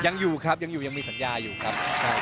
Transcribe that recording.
ยังอยู่ครับยังอยู่ยังมีสัญญาอยู่ครับ